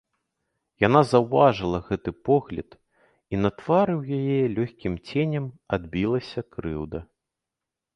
Яна заўважыла гэты погляд, і на твары ў яе лёгкім ценем адбілася крыўда.